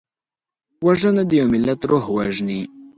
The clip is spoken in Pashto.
وژنه د یو ملت روح وژني